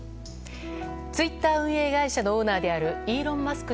ツイッター運営会社のオーナーであるイーロン・マスク